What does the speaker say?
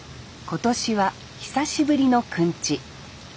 今年は久しぶりのくんち。